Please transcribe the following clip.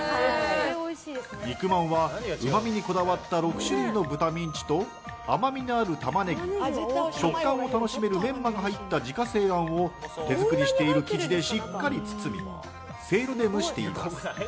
肉まんはうまみにこだわった６種類の豚ミンチと甘みのあるタマネギ食感を楽しめるメンマが入った自家製あんを手作りしている生地でしっかり包みせいろで蒸しています。